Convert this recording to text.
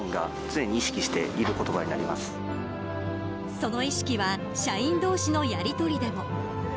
その意識は社員同士のやりとりでも。